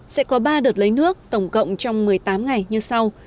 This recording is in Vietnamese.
sẽ có ba đợt lấy nước tổng cộng trong một mươi tám ngày như sau